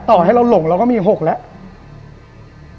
ต่อให้เราหลงเราก็มี๖แล้ว